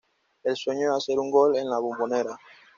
El sueño de hacer un gol en La Bombonera.